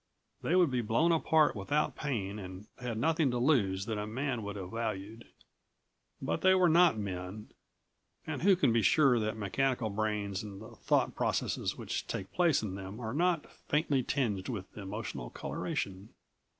They would be blown apart without pain and had nothing to lose that a man would have valued. But they were not men, and who can be sure that mechanical brains and the thought processes which take place in them are not faintly tinged with emotional coloration?